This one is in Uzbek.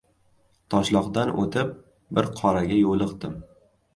Toshloqdan o‘tib, bir qoraga yo‘liqdim.